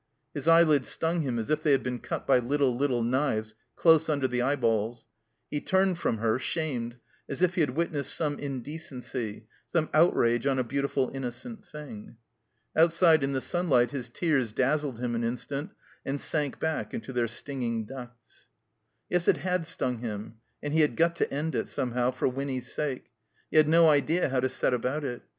His eyelids stung him as if they had been cut by little, little knives close under the eyeballs. He turned from her, shamed, as if he had witnessed some indecency, some outrage on a beautiful inno cent thing. Outside in the sunlight his tears dazzled him an instant and sank back into their stinging ducts. Yes, it had stung him. And he had got to end it, somehow, for Winny's sake. He had no idea how to set about it.